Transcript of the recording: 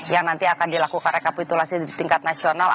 yang nanti akan dilakukan rekapitulasi di tingkat nasional